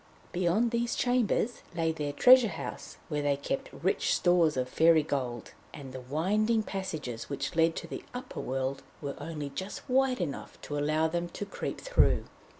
Beyond these chambers lay their treasure house, where they kept rich stores of fairy gold, and the winding passages which led to the upper world were only just wide enough to allow them to creep through.